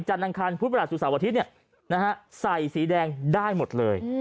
จันทร์อังคารพุทธประหลาดศูนย์สาวอาทิตย์เนี่ยใส่สีแดงได้หมดเลย